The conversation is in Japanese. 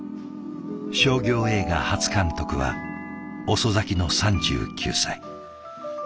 商業映画初監督は遅咲きの３９歳。